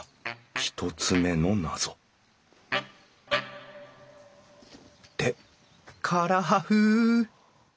１つ目の謎って唐破風！